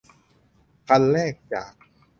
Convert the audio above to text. คันแรกจาก